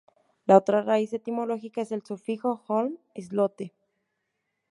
La otra raíz etimológica es el sufijo "-holm": islote.